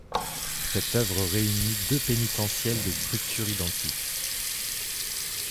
Cette œuvre réunit deux pénitentiels de structure identiques.